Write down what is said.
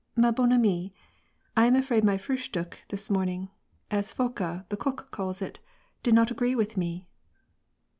"ifo bonne amie, I am afraid my frUhsfiick this morning, as Aka, the cook, calls it, didn't agree with me."